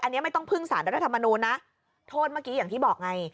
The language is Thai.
อันนี้ไม่ต้องพึ่งสารรัฐธรรมนูลนะโทษเมื่อกี้อย่างที่บอกไง